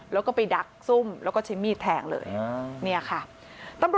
แล้วก็ไปดักซุ่มแล้วก็ใช้มีดแทงเลยเนี่ยค่ะ